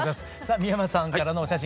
三山さんからのお写真